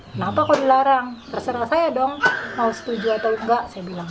kenapa kau dilarang terserah saya dong mau setuju atau enggak